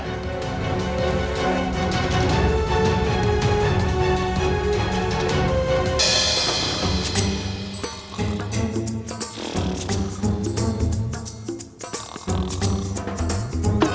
aku harus bisa